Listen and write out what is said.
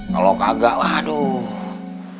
kalau kagak lah aduh